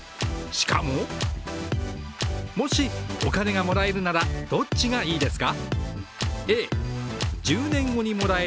しかももしお金がもらえるならどっちがいいですか？